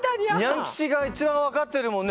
ニャン吉が一番分かってるもんね。